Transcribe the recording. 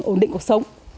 ổn định cuộc sống